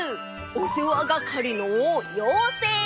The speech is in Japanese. おせわがかりのようせい！